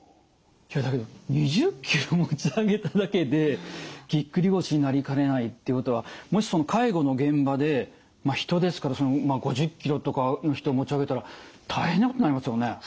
だけど２０ｋｇ持ち上げただけでぎっくり腰になりかねないっていうことはもし介護の現場で人ですから５０ｋｇとかの人持ち上げたら大変なことになりますよね。